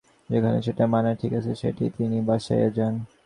যেখানে যেটি মানায় ঠিক সেখানে সেইটি তিনি বসাইয়া যান।